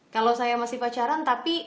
kalau saya masih pacaran tapi